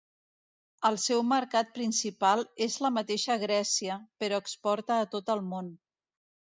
El seu mercat principal és la mateixa Grècia però exporta a tot el món.